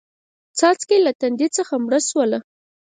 څاڅکې له تندې څخه مړه شوله